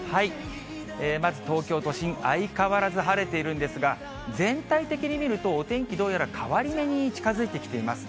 まず東京都心、相変わらず晴れているんですが、全体的に見ると、お天気どうやら変わり目に近づいてきています。